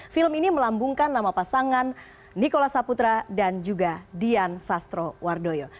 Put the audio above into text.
film ini melambungkan nama pasangan nikola saputra dan juga dian sastrowardoyo